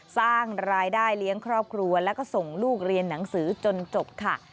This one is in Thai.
สร้างรายได้เลี้ยงครอบครัวแล้วก็ส่งลูกเรียนหนังสือจนจบค่ะ